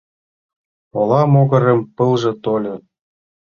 Ола могырым пылже тольо